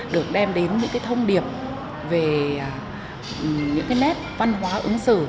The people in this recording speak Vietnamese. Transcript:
được đem đến những thông điệp về những nét văn hóa ứng xử